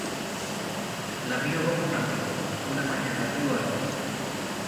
La mio boca un abrigu, una mañana ríu arriba.